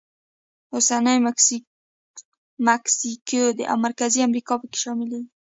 اوسنۍ مکسیکو او مرکزي امریکا پکې شاملېږي.